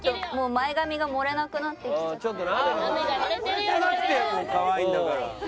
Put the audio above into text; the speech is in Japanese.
盛れてなくてもかわいいんだから。